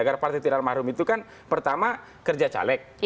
karena partai tidak mahrum itu kan pertama kerja caleg